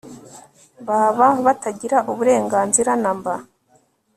baba batagira uburenganzira namba